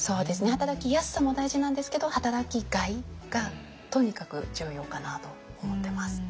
働きやすさも大事なんですけど働きがいがとにかく重要かなと思ってます。